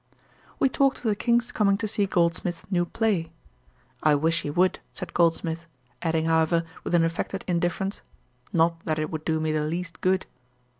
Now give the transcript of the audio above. We talked of the King's coming to see Goldsmith's new play. 'I wish he would,' said Goldsmith; adding, however, with an affected indifference, 'Not that it would do me the least good.'